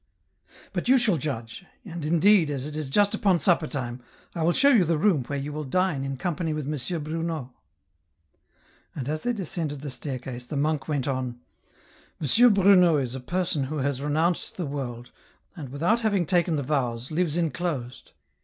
" But you shall judge, and, indeed, as it is just upon supper time, I will show you the room where you will dine in company with M. Bruno." And as they descended the staircase, the monk went on ;" M. Bruno is a person who has renounced the world, and, without having taken the vows, lives enclosed.